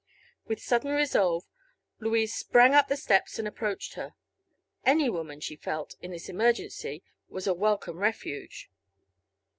With sudden resolve Louise sprang up the steps and approached her. Any woman, she felt, in this emergency, was a welcome refuge.